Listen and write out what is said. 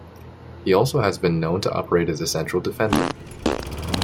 He has also been known to operate as a central defender.